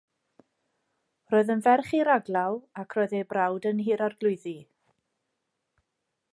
Roedd yn ferch i raglaw ac roedd ei brawd yn Nhŷ'r Arglwyddi.